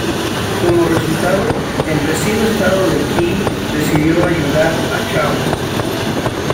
Como resultado, el vecino estado de Qi decidió ayudar a Zhao.